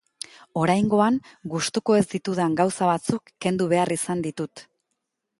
Oraingoan, gustuko ez ditudan gauza batzuk kendu behar izan ditut.